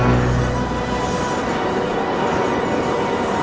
kami berdoa kepada tuhan untuk memperbaiki kebaikan kita di dunia ini